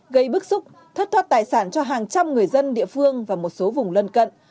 gây bức xúc thất thoát tài sản cho hàng trăm người dân địa phương và một số vùng lân cận